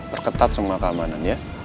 berketat semua keamanan ya